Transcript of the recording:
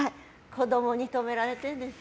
子供に止められてるんです。